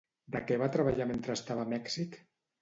De què va treballar mentre estava a Mèxic?